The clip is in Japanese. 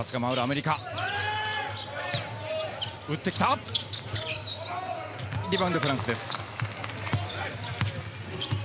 リバウンドはフランスです。